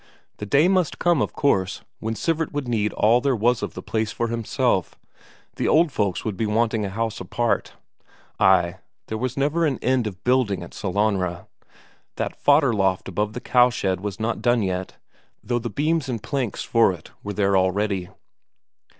The day must come, of course, when Sivert would need all there was of the place for himself the old folks would be wanting a house apart. Ay, there was never an end of building at Sellanraa; that fodder loft above the cowshed was not done yet, though the beams and planks for it were there all ready.